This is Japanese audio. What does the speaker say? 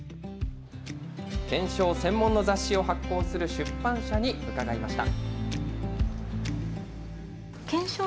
懸賞専門の雑誌を発行する出版社に伺いました。